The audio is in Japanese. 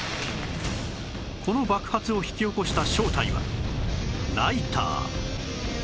この爆発を引き起こした正体はライター